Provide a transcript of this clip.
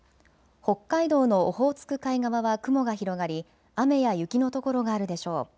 北海道のオホーツク海側は雲が広がり雨や雪の所があるでしょう。